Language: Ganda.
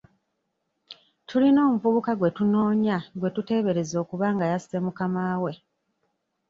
Tulina omuvubuka gwe tunoonya gwe tuteebereza okuba nga yasse mukamaawe.